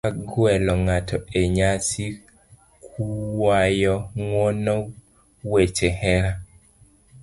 kaka gwelo ng'ato e nyasi, kuayo ng'uono, weche hera,